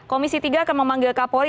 komisi tiga akan memanggil kapolri